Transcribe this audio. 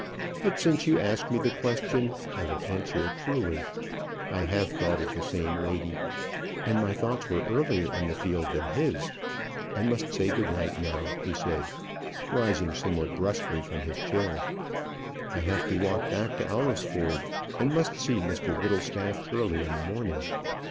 But since you ask me the question, I will answer it truly, I have thought of the same lady. And my thoughts were earlier in the field than his. I must say good night now," he said, rising somewhat brusquely from his chair. "I have to walk back to Alresford, and must see Mr Whittlestaff early in the morning.